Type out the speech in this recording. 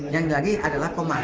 yang lagi adalah pemakai